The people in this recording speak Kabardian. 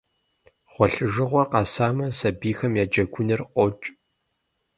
Гъуэлъыжыгъуэр къэсамэ, сабийхэм я джэгуныр къокӏ.